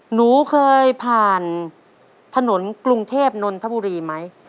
หนูเคยผ่านถนนกรุงเทพนนทบุรีไหม